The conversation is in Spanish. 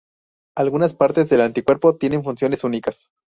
Algunas partes del anticuerpo tienen funciones únicas.